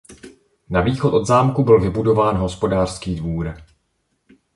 Na východ od zámku byl vybudován hospodářský dvůr.